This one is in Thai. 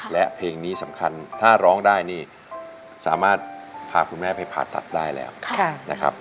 และเพลงนี้สำคัญถ้าร้องได้นี่สามารถพาคุณแม่ไปผ่าตัดได้แล้วนะครับ